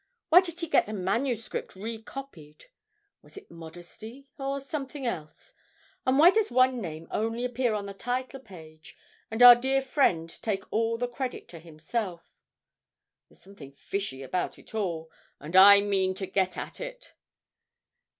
Why did he get the manuscript recopied? Was it modesty or something else? And why does one name only appear on the title page, and our dear friend take all the credit to himself? There's something fishy about it all, and I mean to get at it.